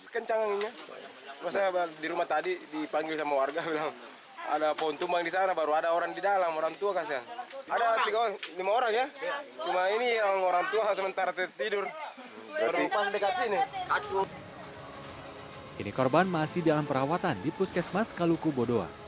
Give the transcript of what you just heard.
ketika di rumah korban masih dalam perawatan di puskesmas kaluku bodoa